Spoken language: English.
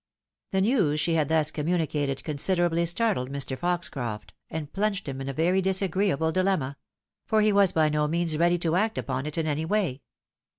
The news she had thus communicated considerably startled Mr. Foxcroft, and plunged him in a very disagreeable dilemma ; for he was by no means ready to act upon it in any way.